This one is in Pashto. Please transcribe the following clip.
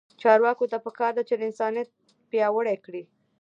چارواکو ته پکار ده چې، انسانیت پیاوړی کړي.